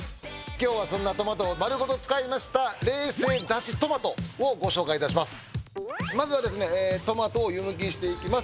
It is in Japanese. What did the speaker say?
今日はそんなトマトをまるごと使いました冷製だしトマトをご紹介いたします。